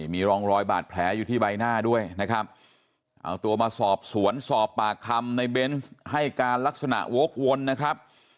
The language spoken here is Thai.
มีร่องรอยบาดแผลอยู่ที่ใบหน้าด้วยนะครับเอาตัวมาสอบสวนสอบปากคำในเบนส์ให้การลักษณะวกวนนะครับ